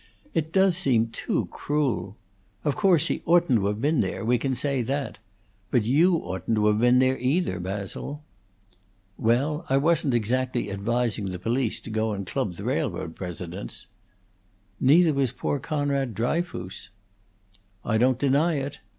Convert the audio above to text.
It does seem too cruel! Of course he oughtn't to have been there; we can say that. But you oughtn't to have been there, either, Basil." "Well, I wasn't exactly advising the police to go and club the railroad presidents." "Neither was poor Conrad Dryfoos." "I don't deny it.